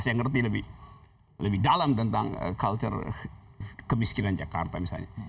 saya ngerti lebih dalam tentang culture kemiskinan jakarta misalnya